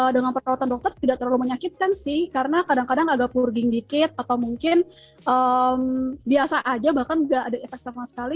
dengan perawatan dokter tidak terlalu menyakitkan sih karena kadang kadang agak purging dikit atau mungkin biasa aja bahkan gak ada efek sama sekali